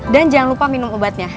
dan jangan lupa minum obatnya